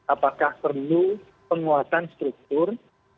apakah perlu penguatan struktur